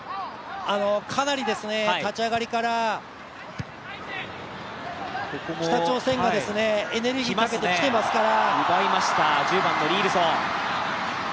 かなり立ち上がりから北朝鮮がエネルギーかけてきてますから。